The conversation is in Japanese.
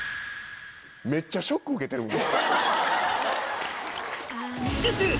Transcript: めっちゃショック受けてるもん。